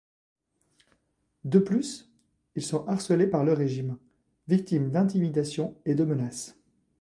De plus, ils sont harcelés par le régime, victimes d'intimidations et de menaces.